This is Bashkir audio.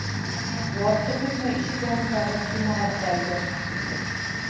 Яуапты көтмәй, ишек янындағы трюмоға терәлде.